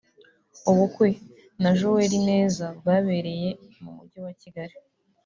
ubukwe na Joella Ineza bwabereye mu mujyi wa Kigali